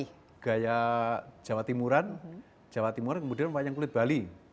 dari gaya jawa timuran jawa timur kemudian wayang kulit bali